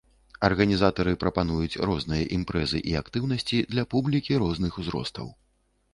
Арганізатары прапануюць розныя імпрэзы і актыўнасці для публікі розных узростаў.